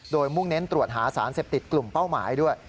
โดยมุ่งเน้นตรวจหาสารเสพติดกลุ่มเป้าหมายด้วย